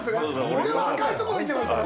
おれは赤いところ見てましたから。